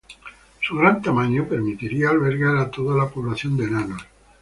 Su gran tamaño permitiría albergar a toda la población de enanos.